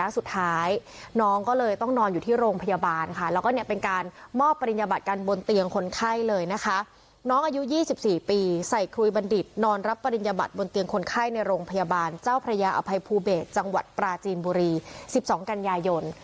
ใส่คุยบัณฑิตนอนรับปริญญาบัตรบนเตียงคนไข้ในโรงพยาบาลเจ้าพระยาอภัยภูเบสจังหวัดปราจีนบุรีสิบสองกัญญายน